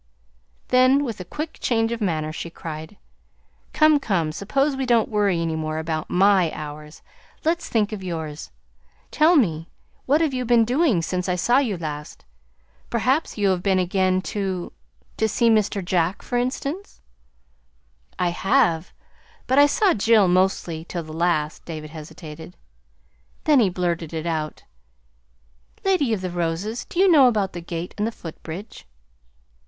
Then, with a quick change of manner, she cried: "Come, come, suppose we don't worry any more about MY hours. Let's think of yours. Tell me, what have you been doing since I saw you last? Perhaps you have been again to to see Mr. Jack, for instance." "I have; but I saw Jill mostly, till the last." David hesitated, then he blurted it out: "Lady of the Roses, do you know about the gate and the footbridge?"